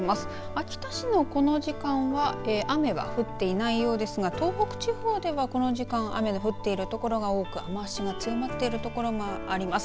秋田市のこの時間は雨は降っていないようですが東北地方ではこの時間雨の降っているところが多く雨足が強まっているところもあります。